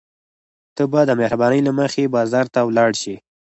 ته به د مهربانۍ له مخې بازار ته ولاړ شې.